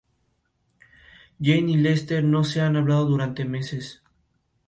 La carta estaba dirigida por Zoilo a los guardianes de los archivos.